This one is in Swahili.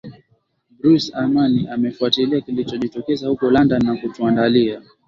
Bruce Amani amefuatilia kilichojitokeza huko London na kutuandalia